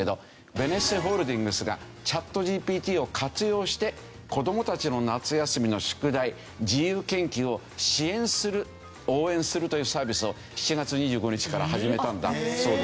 ベネッセホールディングスがＣｈａｔＧＰＴを活用して子供たちの夏休みの宿題自由研究を支援する応援するというサービスを７月２５日から始めたんだそうですよ。